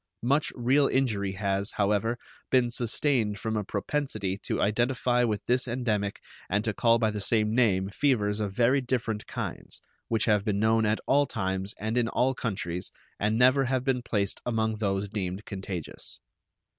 Much real injury has, however, been sustained from a propensity to identify with this endemic and to call by the same name fevers of very different kinds, which have been known at all times and in all countries, and never have been placed among those deemed contagious.